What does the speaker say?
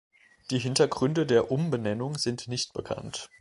Die Hintergründe der Umbenennung sind nicht bekannt.